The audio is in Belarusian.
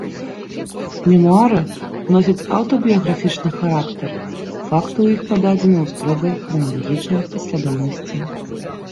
Мемуары носяць аўтабіяграфічны характар, факты ў іх пададзены ў строгай храналагічнай паслядоўнасці.